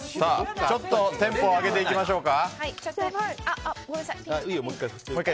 ちょっとテンポを上げていきましょうか。